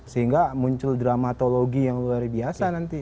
sehingga muncul dramatologi yang luar biasa nanti